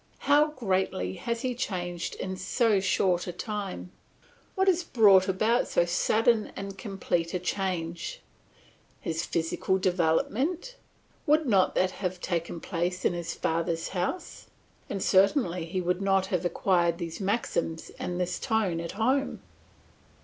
How greatly has he changed in so short a time! What has brought about so sudden and complete a change? His physical development? Would not that have taken place in his father's house, and certainly he would not have acquired these maxims and this tone at home?